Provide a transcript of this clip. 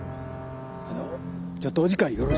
あのうちょっとお時間よろしいですか？